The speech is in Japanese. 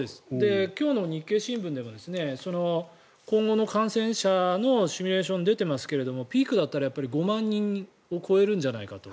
今日の日経新聞でも今後の感染者のシミュレーションが出ていますがピークだったら５万人を超えるんじゃないかと。